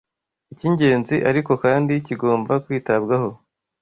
Icy’ingenzi ariko kandi kigomba kwitabwaho